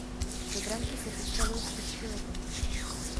Do branky se postavil v šesti letech.